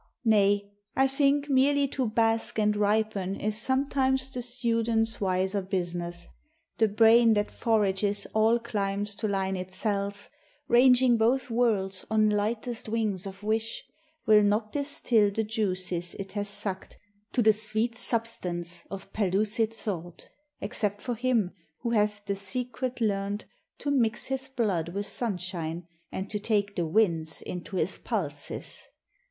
Nay, I think Merely to bask and ripen is sometimes The student's wiser business ; the brain That forages all climes to line its cells, Ranging both worlds on lightest wings of wish, Will not distil the juices it has sucked To the sweet substance of pellucid thought, Except for him who hath the secret learned To mix his blood with sunshine, and to take The winds into his pulses.